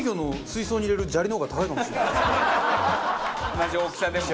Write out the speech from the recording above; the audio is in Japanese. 同じ大きさでもね。